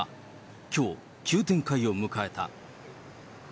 きょう、急展開を迎えた。